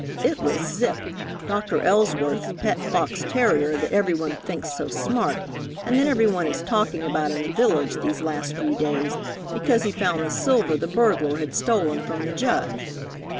It was Zip, Doctor Elsworth's pet fox terrier that everyone thinks so smart and that everyone is talking about in the village these last few days because he found the silver the burglar had stolen from the Judge.